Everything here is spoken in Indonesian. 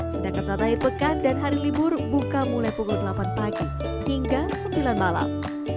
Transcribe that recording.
sedangkan saat akhir pekan dan hari libur buka mulai pukul delapan pagi hingga sembilan malam